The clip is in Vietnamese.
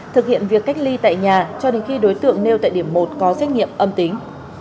thực hiện việc cách ly tại nhà cho đến khi đối tượng nêu tại điểm một có xét nghiệm âm tính